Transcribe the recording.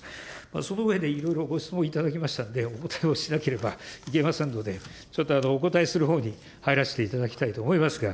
その上で、いろいろご質問いただきましたので、お答えをしなければいけませんので、お答えするほうに入らせていただきたいと思いますが。